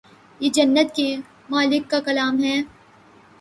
یہ جنت کے مالک کا کلام ہے